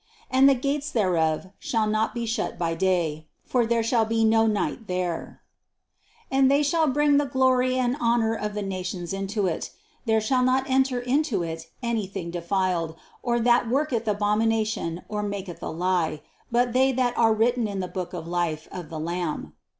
25. And the gates thereof shall not be shut by day ; for there shall be no night there. 232 THE CONCEPTION 233 26. And they shall bring the glory and honor of the nations into it. 27. There shall not enter into it anything defiled, or that worketh abomination or maketh a lie, but they that are written in the book of life of the lamb."